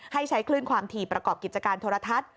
ให้ใช้คลื่นความถี่ประกอบกิจการโทรทัศน์